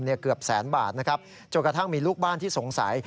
เกือบแสนบาทนะครับจนกระทั่งมีลูกบ้านที่สงสัย